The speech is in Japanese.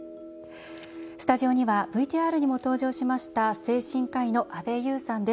スタジオにはＶＴＲにも登場しました精神科医の阿部裕さんです。